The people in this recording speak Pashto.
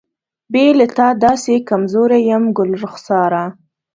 بې له تا داسې کمزوری یم ګلرخساره.